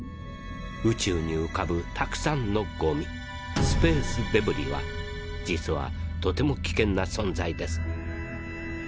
宇宙にうかぶたくさんのゴミスペースデブリは実はとても危険な存在です。